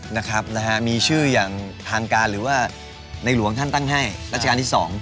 นะครับนะฮะมีชื่ออย่างทางการหรือว่าในหลวงท่านตั้งให้รัชกาลที่สอง